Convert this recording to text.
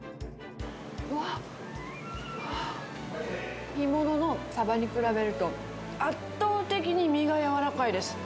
うわっ、干物のサバに比べると、圧倒的に身がやわらかいです。